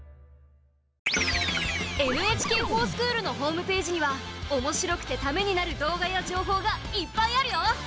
「ＮＨＫｆｏｒＳｃｈｏｏｌ」のホームページにはおもしろくてためになる動画や情報がいっぱいあるよ！